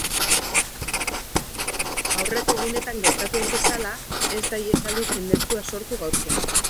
Aurreko egunetan gertatu ez bezala, ez da ihesaldi jendetsua sortu gaurkoan.